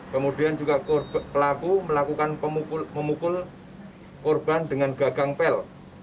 kemudian juga pelaku melakukan memukul korban dengan gagang pel